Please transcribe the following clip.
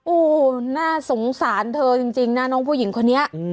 โอ้โหน่าสงสารเธอจริงนะน้องผู้หญิงคนนี้